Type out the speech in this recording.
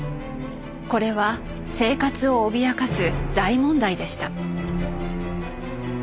これは生活を脅かす大問題でした。